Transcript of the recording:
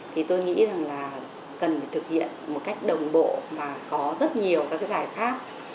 thì tôi nghĩ rằng là cần phải thực hiện một cách đồng bộ và có rất nhiều các cái giải pháp